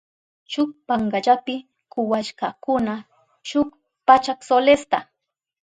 Shuk pankallapi kuwashkakuna shuk pachak solesta.